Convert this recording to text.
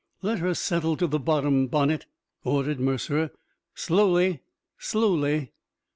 "Let her settle to the bottom, Bonnett," ordered Mercer. "Slowly ... slowly...."